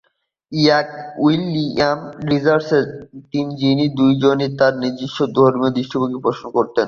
ইয়র্কের William Richardson, যিনি দুজনেই তার নিজস্ব ধর্মীয় দৃষ্টিভঙ্গি পোষণ করতেন।